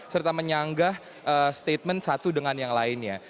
serta menyanggah statement satu dengan yang lainnya